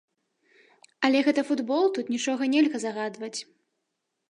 Але гэта футбол, тут нічога нельга загадваць.